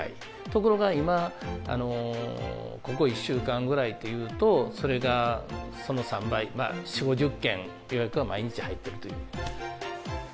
ところが今、ここ１週間ぐらいというと、それがその３倍、４、５０件予約が毎日入っているという。